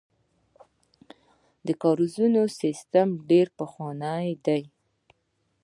د کاریزونو سیسټم ډیر پخوانی دی